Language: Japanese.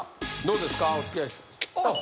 どうですか？